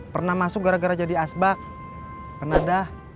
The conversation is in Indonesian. pernah masuk gara gara jadi asbak penadah